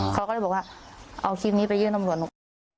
เขาก็เลยบอกว่าเอาคลิปนี้ไปยื่นตำรวจหนูก่อน